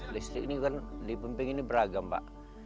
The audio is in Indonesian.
listrik di pemping ini beragam pak